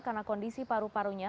karena kondisi paru parunya